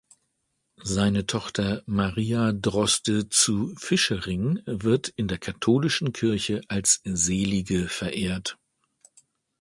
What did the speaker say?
Seine Tochter Maria Droste zu Vischering wird in der katholischen Kirche als Selige verehrt.